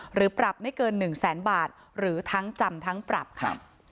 หรือปรับไม่เกิน๑แสนบาทหรือทั้งจำทั้งปรับค่ะ